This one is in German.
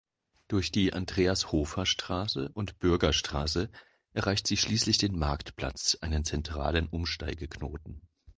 Durch die Andreas-Hofer-Straße und Bürgerstraße erreicht sie schließlich den Marktplatz, einen zentralen Umsteigeknoten.